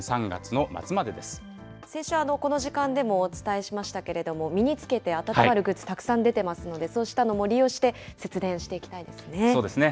先週、この時間でもお伝えしましたけれども、身に着けて温まるグッズ、たくさん出ていますので、そうしたのも利用して、節電していきたそうですね。